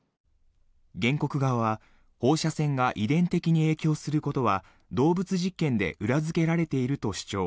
原告側は放射線が遺伝的に影響することは動物実験で裏付けられていると主張。